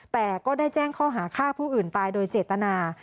แต่ก็ได้แจ้งข้อหาฆ่าผู้อื่นตายโดยเจตนา